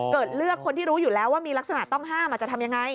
เลือกคนที่รู้อยู่แล้วว่ามีลักษณะต้องห้ามจะทำยังไง